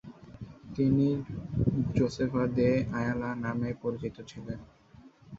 তিনি Josefa de Ayala নামে পরিচিত ছিলেন।